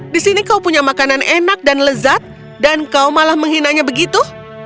di sini kau punya makanan enak dan lezat dan kau malah menghinanya begitu